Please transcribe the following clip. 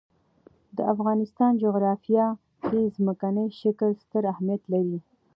د افغانستان جغرافیه کې ځمکنی شکل ستر اهمیت لري.